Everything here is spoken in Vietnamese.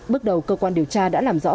bước đầu cơ quan điều tra đã làm rõ